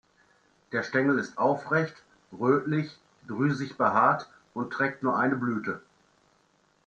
Der Stängel ist aufrecht, rötlich, drüsig behaart und trägt nur eine Blüte.